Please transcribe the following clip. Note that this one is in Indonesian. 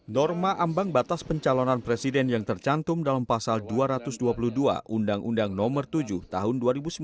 norma ambang batas pencalonan presiden yang tercantum dalam pasal dua ratus dua puluh dua undang undang nomor tujuh tahun dua ribu sembilan belas